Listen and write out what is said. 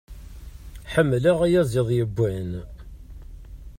Ḥemmleɣ ayaziḍ yewwan.